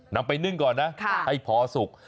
นำไปนึ่งก่อนนะให้พอสุก